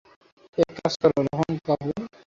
এক কাজ কর, রোহন কাপুর?